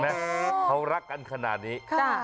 เห็นมั้ยเขารักกันขนาดนี้